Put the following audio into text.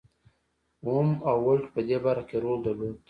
اوم او ولټ په دې برخه کې رول درلود.